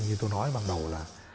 như tôi nói ban đầu là